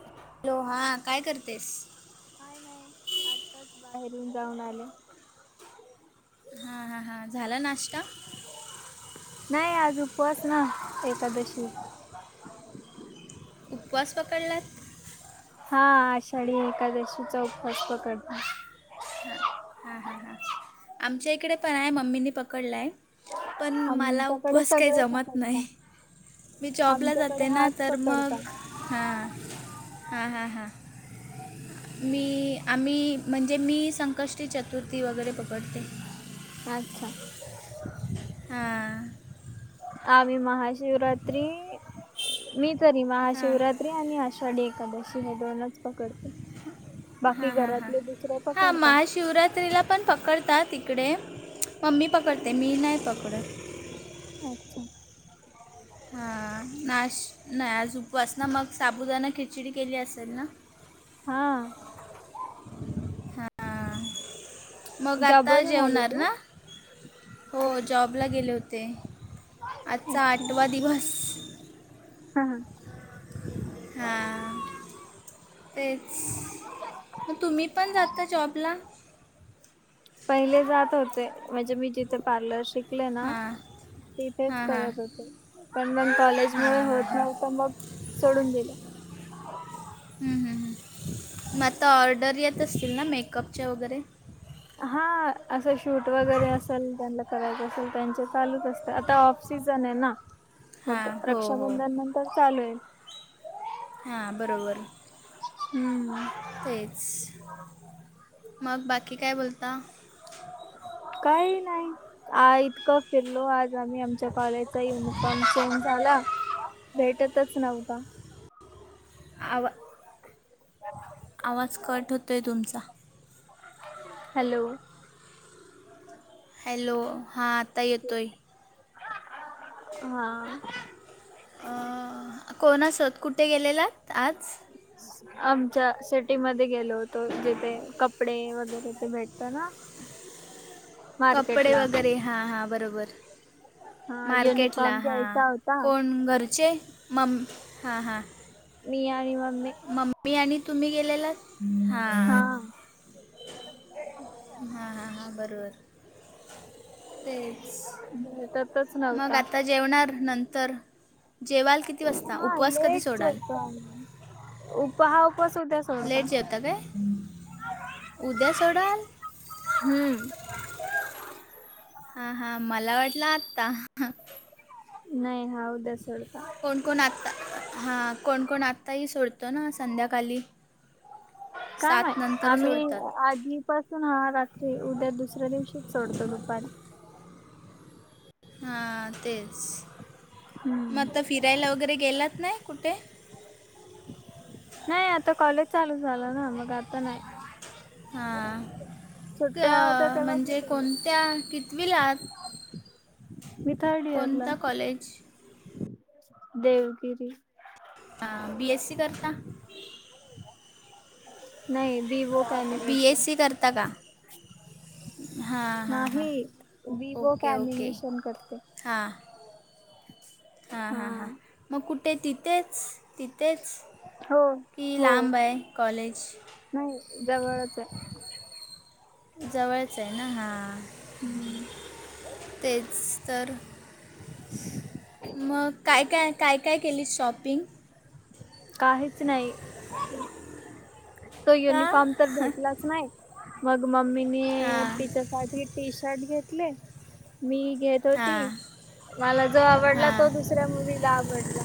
Hello हा, काय करतेस? काय नाय, आताच बाहेरून जाऊन आले. हा हा हा, झाला नाश्ता? नाही आज उपवास ना एकादशी. उपवास पकडलाय? हां. आषाढी एकादशीचा उपवास पकडलाय. हां. हां. हां. हां. आमच्या इकडे पण आहे. मम्मीनी पकडलाय. पण मला आमच्याकडे उपवास काही सगळे जमत नाही. पकडतात मी जॉबला आमच्याकडे जाते ना हाच तर मग- पकडतात हां. हां. हां. हां. हां. मी, आम्ही- म्हणजे मी संकष्टी चतुर्थी वगैरे पकडते. अच्छा. हां. आम्ही महाशिवरात्री- मी तरी हां महाशिवरात्री आणि आषाढी एकादशी हे दोनच पकडते. बाकी हा. हा. हा. घरातले दुसरे हा पकडता महाशिवरात्रीला- पण पकडतात इकडे. मम्मी पकडते मी नाही पकडत. अच्छा. हां. नाश -नाही आज उपवास ना? मग साबुदाणा खिचडी केली असेल ना? हां. हां मग आत्ता जॉबवरून आली जेवणार तू ना? हो जॉबला गेले होते. आजचा आठवा दिवस. हां. हां. हां. तेच. म तुम्ही पण जाता जॉबला? पहिले जात होते. म्हणजे मी जिथे पार्लर शिक- हां. तिथेच हां हां करत होते. पण मग कॉलेज मूळ हां हां होत हां नव्हत. मग सोडून दिलं. हं. हं. हं म आत्ता ऑर्डर येत असतील ना मेकअपच्या वगैरे? हा. असं शूट वगैरे असेल, त्यांना करायचं असेल त्यांचे चालूच असत. आता ऑफ सीझन ए ना? मग हां हो हो रक्षाबंधन नंतर चालू [unintelligible] हां बरोबर. हम्म. तेच. मग बाकी काय बोलता? काही नाही. आ इतकं फिरलो आज आम्ही. आमच्या कॉलेजचा युनिफॉर्म चेंज झाला. भेटतच नव्हता. आवा- आवाज कट होतोय तुमचा. हॅलो. हॅलो. हां आता येतोय. हां. आं. कोणासोत कुठे गेलेलात आज? [unintelligible] आमच्या सिटीमध्ये गेलो होतो. जिथे कपडे वगैरे ते भेटत ना? कपडे मार्केटला वगैरे, हा. हा. बरोबर. हा मार्केटला. युनिफॉर्म हां. घ्यायचा होता कोण घरचे? मम हा. हां. मी आणि मम्मी. मी आणि तुम्ही गेलेला हा हां. हां हां हां बरोबर ते. भेटतच नव्हता. जेवणार नंतर, जेवाल किती वाजता? हा उपवास कधी सोडाल? [unintelligible] उपाह उपवास उद्याच. लेट जेवता काय उद्या सोडाल? हम्म हां हां मला वाटलं आत्ता. नाही हा उद्या सोडणार. कोणकोण आत्ता हां कोणकोण आत्ताही सोडतो ना संध्याकाली. [inaudible] काय माईत आम्ही सोडतात आधी पासून हा रात्री उद्या दुसऱ्या दिवशीच सोडतो दुपारी. हां तेच मग हम्म आता फिरायला वगैरे गेलात नाई कुठे? नाय आता काॅलेज चालू झालं ना मग आता नाय. हां क होत्या तेव्हा म्हणजे गेलेले कोणत्या कितवीलात? मी थर्ड इयर ला कोणता कॉलेज देवगिरी. हा बी एस सी करता? नाई बी वोक बी एस एनिमेशन. सी करता का हां हां हां नाही बी वोक ओके ओके ऍनिमेशन करते. हां. हां हा हां हां मग कुठे तिथेच तिथेच हो की हो लांबय कॉलेज? नाही जवळचय. जवळचय ना हां हम्म तेच तर. मग काय काय काय काय केलीत शॉपिंग? काहीच नाही तो का युनिफॉर्म तर हां भेटलाच नाय. मग मम्मीनी हां तिच्यासाठी टी शर्ट घेतले मी घेत होती मला जो आवडला हां तो दुसऱ्या मुलीला आवडला.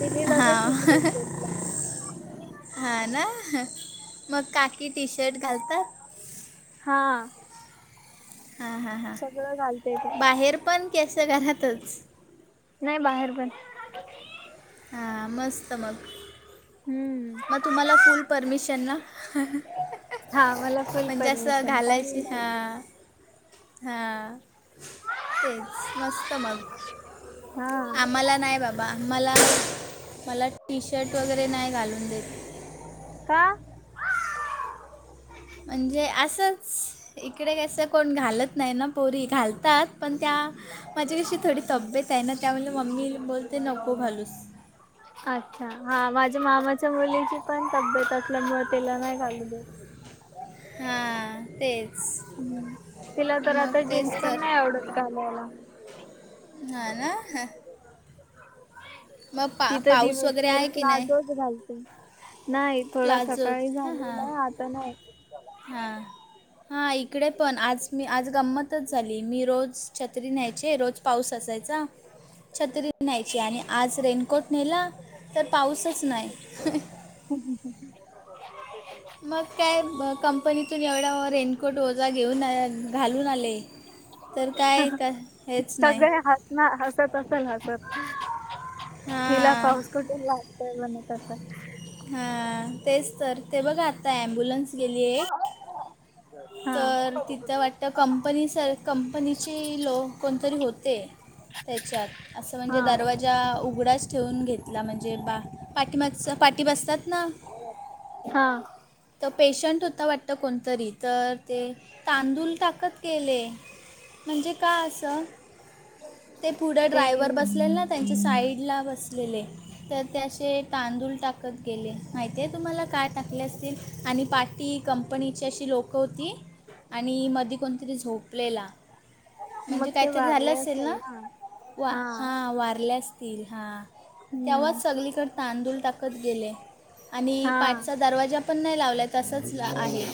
तिनी लगेच हां उचलून घेतला हां ना ह मग काकी टी शर्ट घालतात? हा. हां हां सगळं घालते ते बाहेर पण की अस घरातच? नाय बाहेर पण. [inaudible] हा मस्त मग. हम्म. मग तुम्हाला फुल परमिशन ना. हा मला फुल म्हणजे अस परमिशन काही घालायची घालते हम्म हम्म. तेच मस्त मग हा आम्हाला नाही बा बा मला मला टी शर्ट वगैरे नाही घालून देत. का? म्हणजे असंच इकडे कसं कोणी घालत नाही ना पोरी घालतात पण त्या माझी कशी थोडी तब्येतय ना त्यामुळे मम्मी बोलते नको घालूस. अच्छा, हा माझ्या मामाच्या मुलीची पण तब्येत असल्यामुळ त्याला नाही घालू दिली. हा, हा. तेच हम्म तिला तर आता मग तेच जीन्स पण तर. नाही आवडत घालायला. हा ना. मग पा ति तर पाऊस वगैरे दिवसभर आहे की नाही प्लाजोच घालते. नाही थोडा प्लाझोत सकाळी हां हां झालेला आता नाही. हां हां इकडे पण आज मी आज गंमतच झाली. मी रोज छत्री न्यायचे, रोज पाऊस असायचा, छत्री न्यायची आणि आज रेनकोट न्हेला, तर पाऊसच नाही. [unintelligible] [inaudible] मग काय ब कंपनीतून एवढा रेनकोट ओझा घेऊन घालून आले. तर काय का हेच नाहीं. ना हसत असल हसत, हिला हां पाऊस कुठून लागेल. ठेवला मी तसा. हा तेच तर ते बघा आता अम्बुलन्स गेली आहे. हा तर तिथं वाटत त्या कंपनी सर कंपनीचे लोग कोणतरी होते त्याच्यात असं म्हणजे हा दरवाजा उघडाच ठेऊन घेतला म्हणजे, बा पाठीमागच पाठीबसतात ना. हा. तर पेशंट होता वाटत कोणतरी, तर ते तांदूळ टाकत गेले. म्हणजे का असं. ते पुढे ते ड्रायव्हर बसलेल ना त्यांच्या साईड ला बस बसलेले तर ते असे तांदूळ टाकत गेले, माहिती आहे तुम्हाला का टाकले असतील. आणि पाठी कंपनीची अशी लोकं होती. आणि मधी कोणतरी झोपलेला. मग म्हणजे ते काहीतरी झालं वारले असेल ना, वा हा वारले असतील, हा. हम्म तेव्हाच सगलीकडे तांदूळ टाकत गेले, आणि हा पाठचा दरवाजा पण नाही लावलाय तसच आहे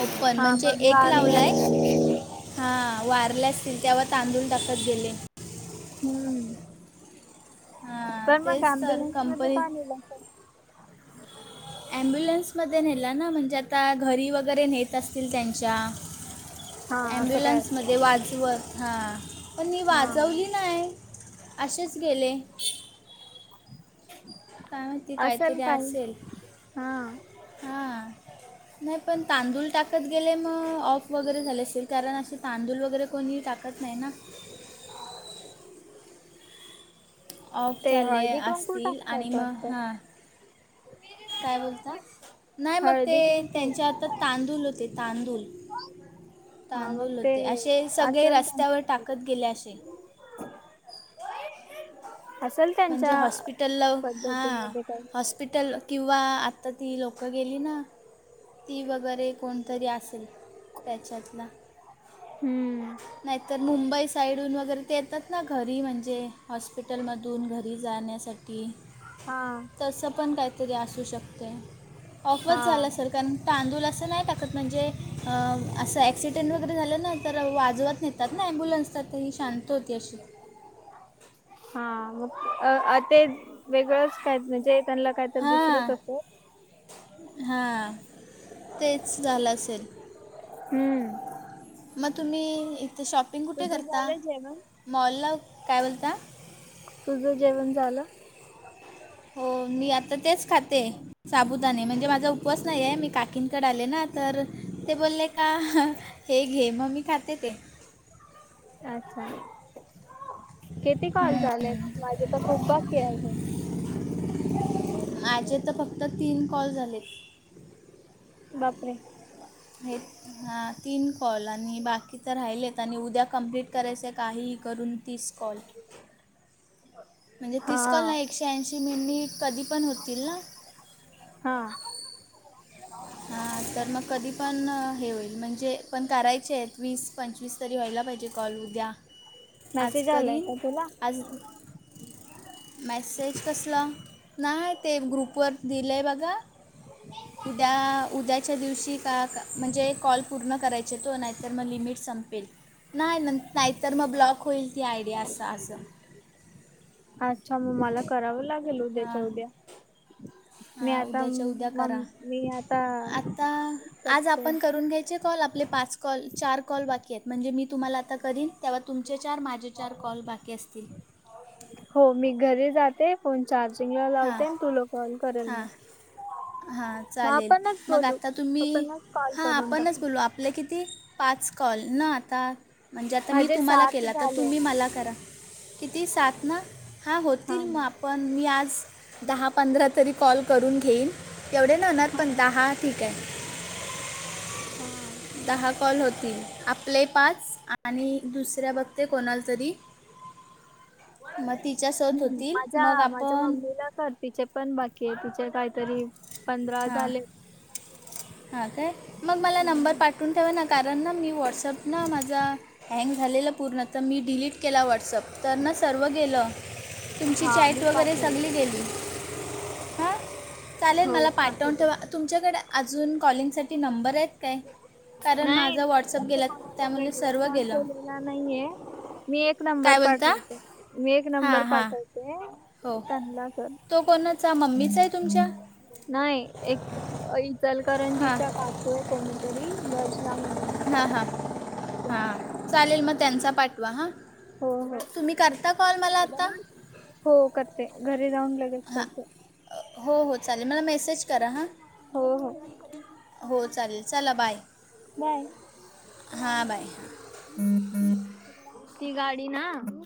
ओपन, हा म्हणजे मग एक वारले लावलाय असेल हा वारले असतील, तेव्हा तांदूळ टाकत गेले. हम्म, हां पण मग तेच तर अम्ब्युलन्स मध्ये का कंपनीत न्हेलं असेल. ॲम्ब्युलन्समध्ये न्हेल ना म्हणजे आता घरी वगैरे न्हेत असतील त्यांच्या. हा [inaudible] असं काय असेल. अम्ब्युलन्समध्ये वाजवत, हा पण तेनी हा वाजवली नाही. असेच गेले. काय माहिती असेल काही, हा. हा. नाही पण तांदूळ टाकत गेले मग ऑफ वगैरे झाले असेल. कारण असे तांदूळ वगैरे कोणीही टाकत नाही ना [inaudible] ऑफ ते झाले हळदी कुंकू असतील, आणि टाकतात मग वाटतं. हां काय बोलता [unintelligible] नाही मग ते हळदी कुंकू त्यांच्या हातात, तांदूल होते तांदूल हा मग तांदूल ते होते असे, सगळे रस्त्यावर टाकत गेले असे हां व्हाईट धिसं असेल म्हणजे त्यांच्या हॉस्पिटलला हां पद्धतीमध्ये कांहीं हॉस्पिटल किंवा हां आंता ती लोकं गेली नां ती वगैरें कोणंतरी असेल त्यांच्यांत नां हम्म. नाहींतरं मुंबई साईडूंन वगैरें ते येतांत ना घरी म्हणजे हॉस्पिटलमध्यें दूंर घरी जाण्यांसाठी हां. तसं पणं कांहींतरी असूं शकतंय ऑफचं हा झाल्यांसारखं कारणं तांदूल असं नाहीं टाकतं म्हणजे असं ॲक्सिडेंट वगैरें झालं नां तरं वाजवतं ने तांत ना अॲँबुलन्स तरी ही शांत होती अशी हां मंग अं अं ते वेगळंच कायं तरी त्यांना कायं तरं हां दुसरंच असतं. हां तेचं झालं असेल हम्मं मंग तुंम्ही इथे शॉपिंग कुठे तुझं करतां झालं जेवण? मॉलला कायं बोलतां? तुझं जेवणं झालं? हो मी आंता तेचं खांते आहे साबुदाणे म्हणजे माझां उपवांस नाहीं आहे मी काकींकडे आले नां तरं ते बोलले हे घे मंग मी खांते ते अच्छा किती कॉल झाले माझे तरं खूपचं बाकी आहे अजूंन. माझे तरं फक्तं तीनं कॉल झालेत. बापरे हे हां तीनं कॉल आणि बाकी तरं राहिलेत आणि उद्यां कम्प्लीट करायचंय कांहींही करूंन तिस कॉल म्हणजे हा तिस कॉल नाहीं एक श्यानशी मिनीटं कधीं पणं होतील नां हां. हां तरं मंग कधीं पणं हे होईल म्हणजे पणं करायचे आहेतं वीस, पंचवीस तरी व्हांयला जे कॉल उद्यां आंज मेसेज आलाय करीन का तुला? आंज मेसेज कसंला नाहीं ते ग्रुपवरं दिलंय बघां ते च्यांम त्यां उद्यांच्या दिवशी कां कां म्हणजे कॉल पूर्ण करायचे तो नाहींतरं मंग लिमिट संपेल नाहीं नंत नाहींतरं मंग ब्लॉक होईल ती आयडिया असं असतं अच्छा मंग मलां करावं लागेल उद्यांच्या उद्यां हम्मं हां उद्यांच्या उद्यां मग करां मी आता आंता आंज करते आपणं करूंन घ्यायचे कॉल आपले पांच कॉल चार कॉल बाकी आहेतं म्हणजे मी तुम्हांला आंता करीन तेव्हां तुमचे चार मा तुमचे चार कॉल बाकी असतील हो मी घरी जाते फोन चार्जिंग लां हां लावते तुलां कॉल करेल हां मंग हां चालेल मंग आंता तुम्हीं आपणच कॉल हां करून आपणं चं टाकू बोलूं आपणं आपले कीती पांच कॉल नां आंता म्हणजे आंता मी माझे तुम्हांला सात केलां तरं झाले तुम्हीं मलां करां किती सात ना हा होतील मग आपण मी आज दहा-पंधरा तरी कॉल करून घेईन एवढे नाही होणार हा पण दहा ठीक काय हा दहा कॉल होतील आपले पाच आणि दुसऱ्या बगते कोणाला तरी म तिच्या सोबत होतील मग आपण तर तिचे पण बाकीय तिचे पण काहीतरी पंधरा झाले हा-हा काय मग मला नंबर पाठ पाठवून ठेवा ना कारण ना मी व्हॉट्सअप ना माझा हँग झालेलं पूर्ण तर मी डिलीट केला व्हॉट्सअप तर ना सर्व गेल तुमची हा चॅट मी वगैरे पाठवते सगली गेली हां चालेल हो मला पाठवून पाठवते ठेवा तुमच्याकडे अजून कॉलिंगसाठी नंबर आहेत काय कारण नाही माझा मी व्हॉट्सअप गेला त्यामुळे सर्व गेल त्या नाहीे आहे मी नंबर बोलता पाठवतो मी नंबर हां हां पाठवते हो त्यांना कर तो कोणाचा मम्मीचा आहे तुमच्या नाही एक हां इचलकरंजीच्या काकूय कोणीतरी म्हणून हा -हा त्या -हा चालेल म त्यांचा पाठवा हा हो हो. तुम्ही करता कॉल मला आता हो करते घरी जाऊन लगेच करते हो-हो चालेल मला मेसेज करा हं हो हो. हो चालेल चला बाय बाय. हां बाय [unintelligible] ती गाडी ना